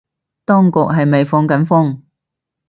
當局係咪放緊風